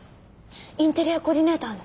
インテリアコーディネーターの。